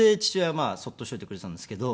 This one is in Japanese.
まあそっとしておいてくれていたんですけど。